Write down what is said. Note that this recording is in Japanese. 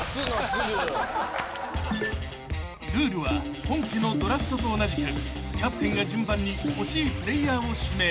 ［ルールは本家のドラフトと同じくキャプテンが順番に欲しいプレーヤーを指名］